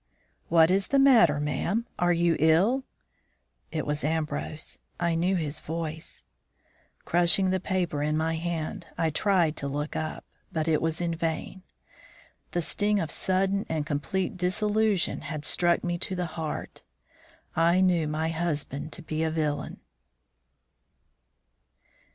"What is the matter, ma'am? Are you ill?" It was Ambrose; I knew his voice. Crushing the paper in my hand, I tried to look up; but it was in vain. The sting of sudden and complete disillusion had struck me to the heart; I knew my husband to be a villain.